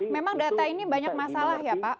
memang data ini banyak masalah ya pak